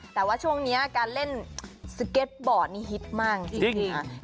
แต่ว่าช่วงนี้การเล่นสเก็ตบอร์ดนี่ฮิตมากจริง